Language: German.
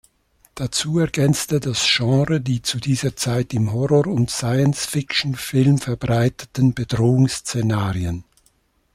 Dazu ergänzte das Genre die zu dieser Zeit im Horror- und Science-Fiction-Film verbreiteten Bedrohungsszenarien.